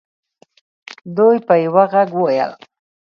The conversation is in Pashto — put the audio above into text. دوی په یوه ږغ وویل.